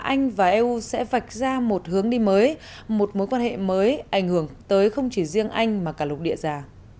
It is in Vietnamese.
anh và eu sẽ vạch ra một hướng đi mới một mối quan hệ mới ảnh hưởng tới không chỉ riêng anh mà cả lục địa già